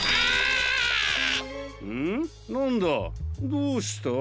どうした？